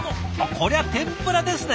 こりゃ天ぷらですね。